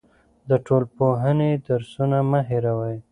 د ټولنپوهنې درسونه مه هېروئ.